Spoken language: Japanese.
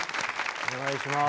お願いします。